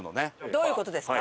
どういう事ですか？